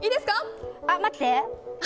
待って！